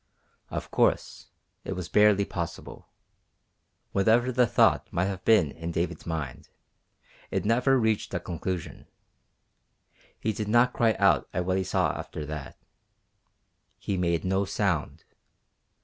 Of course, it was barely possible.... Whatever the thought might have been in David's mind, it never reached a conclusion. He did not cry out at what he saw after that. He made no sound.